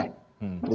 itu yang pertama